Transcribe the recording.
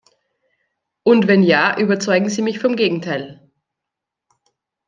Und wenn ja, überzeugen Sie mich vom Gegenteil!